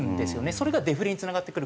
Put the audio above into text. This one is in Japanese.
それがデフレにつながってくる。